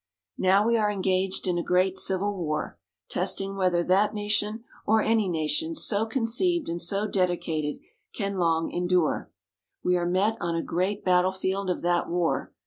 Now we are engaged in a great civil war, testing whether that Nation, or any Nation, so conceived and so dedicated, can long endure. We are met on a great battle field of that war.